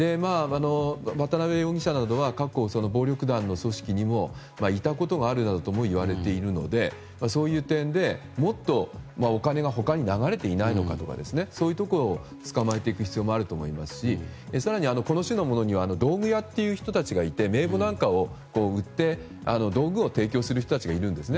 渡邉容疑者などは過去、暴力団の組織にもいたことがあるなどとも言われているのでそういう点で、もっとお金が他に流れていないのかとかそういうところを捕まえていく必要もあると思いますし更に、この種のものには道具屋という人たちがいて名簿なんかを売って、道具を提供する人たちがいるんですね。